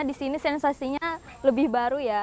disini sensasinya lebih baru ya